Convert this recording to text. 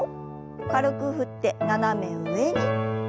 軽く振って斜め上に。